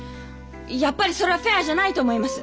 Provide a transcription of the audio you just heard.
やっぱりそれはフェアじゃないと思います。